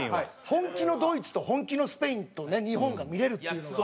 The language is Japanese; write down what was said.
本気のドイツと本気のスペインとね日本が見れるっていうのが。